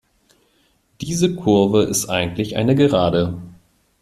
Diese Kurve ist eigentlich eine Gerade.